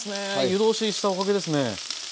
湯通ししたおかげですね。